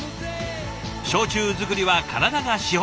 焼酎づくりは体が資本。